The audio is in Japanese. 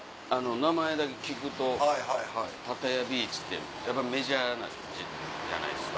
名前だけ聞くとパタヤビーチってやっぱメジャーな感じじゃないですか。